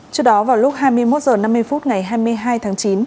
trước đó vào lúc hai mươi một h năm mươi phút ngày hai mươi hai tháng chín